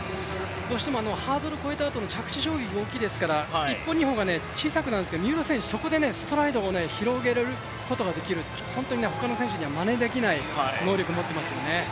どうしてもハードルを越えた後の、着地が大きいですから１歩、２歩が小さくなるんですけど三浦選手は、そこで広げられることができる、ほかの選手にはまねできない能力を持っていますよね。